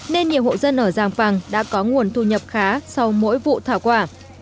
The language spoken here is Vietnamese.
nên nhiều hộ dân ở giàng bằng đã có nguồn thu nhập khá sau mỗi vụ thảo quả